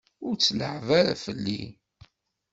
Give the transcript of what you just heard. Ur tt-leεεeb ara fell-i!